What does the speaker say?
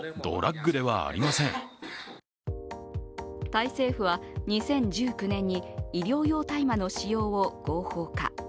タイ政府は２０１９年に医療用大麻の使用を合法化。